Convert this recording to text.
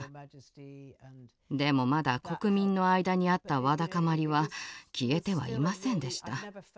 でもまだ国民の間にあったわだかまりは消えてはいませんでした。